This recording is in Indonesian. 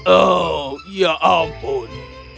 oh ya ampun